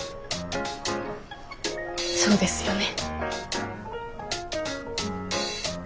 そうですよね。